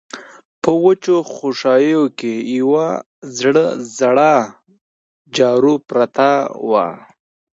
په وچو خوشايو کې يوه زړه جارو پرته وه.